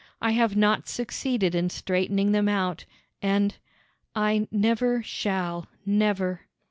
I have not succeeded in straightening them out and I never shall, never.